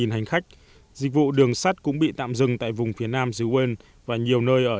hành khách dịch vụ đường sắt cũng bị tạm dừng tại vùng phía nam dưới quên và nhiều nơi ở